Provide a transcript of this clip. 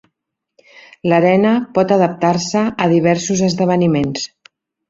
L'arena pot adaptar-se a diversos esdeveniments.